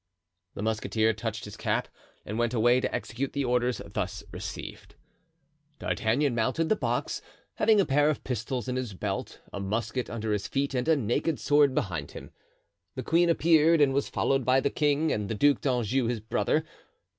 The musketeer touched his cap and went away to execute the orders thus received. D'Artagnan mounted the box, having a pair of pistols in his belt, a musket under his feet and a naked sword behind him. The queen appeared, and was followed by the king and the Duke d'Anjou, his brother.